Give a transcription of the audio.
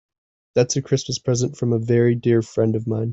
That's a Christmas present from a very dear friend of mine.